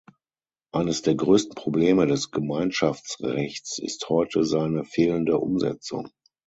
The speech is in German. Eines der größten Probleme des Gemeinschaftsrechts ist heute seine fehlende Umsetzung.